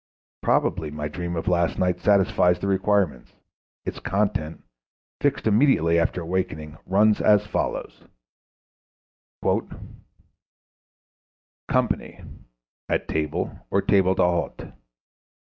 Probably my dream of last night satisfies the requirements. Its content, fixed immediately after awakening, runs as follows: _"Company; at table or table d'hôte....